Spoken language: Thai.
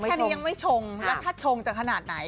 แค่นี้ยังไม่ชงแล้วถ้าชงจะขนาดไหน